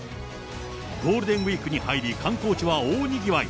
ゴールデンウィークに入り、観光地は大にぎわい。